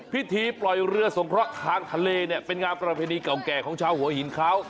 พิธีปล่อยเรือสงเคราะห์ทางทะเลเนี่ยเป็นงานประเพณีเก่าแก่ของชาวหัวหินเขา